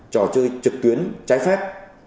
trò chơi trực tuyến trái phép